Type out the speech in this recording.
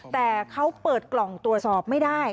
แต่เขาเปิดกล่องตรวจสอบไม่ได้